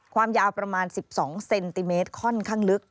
ความยาวประมาณ๑๒เซนติเมตรค่อนข้างลึก